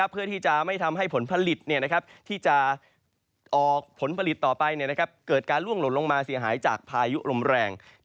เพื่อที่จะไม่ทำให้ผลผลิตที่จะออกผลผลิตต่อไปเกิดการล่วงหล่นลงมาเสียหายจากพายุลมแรง